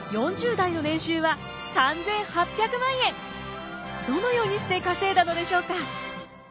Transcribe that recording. どのようにして稼いだのでしょうか？